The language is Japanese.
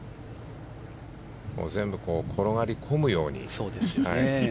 全部、転がり込むように。